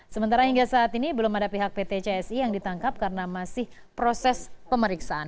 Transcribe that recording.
sementara hingga saat ini belum ada pihak pt csi yang ditangkap karena masih proses pemeriksaan